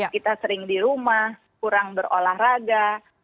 kita sering di rumah kurang berolahraga